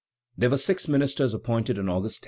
" There were six ministers appointed on August 10.